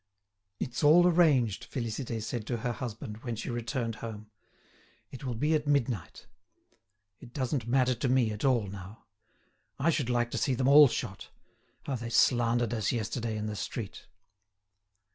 "It's all arranged," Félicité said to her husband, when she returned home. "It will be at midnight. It doesn't matter to me at all now. I should like to see them all shot. How they slandered us yesterday in the street!"